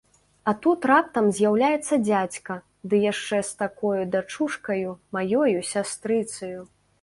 А тут раптам з'яўляецца дзядзька, ды яшчэ з такою дачушкаю, маёю сястрыцаю!